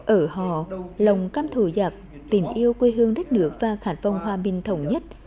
ở họ lòng cam thù giặc tình yêu quê hương đất nước và khát vọng hòa bình thổng nhất